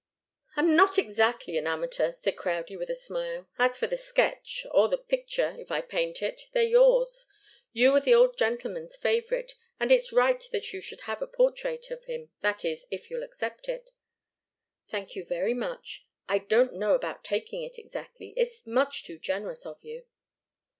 "I'm not exactly an amateur," said Crowdie, with a smile. "As for the sketch, or the picture, if I paint it, they're yours. You were the old gentleman's favourite, and it's right that you should have a portrait of him that is if you'll accept it." "Thank you very much. I don't know about taking it, exactly it's much too generous of you."